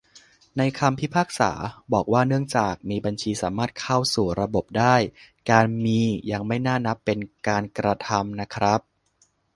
ในคำพิพากษา บอกว่าเนื่องจากมีบัญชีสามารถเข้าสู่ระบบได้ - การ'มี' ยังไม่น่านับเป็นการกระทำนะครับ